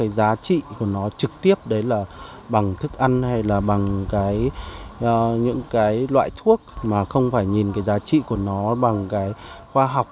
đặc biệt là bằng những loại thuốc mà không phải nhìn giá trị của nó bằng khoa học